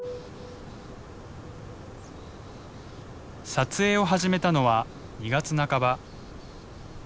撮影を始めたのは２月半ば。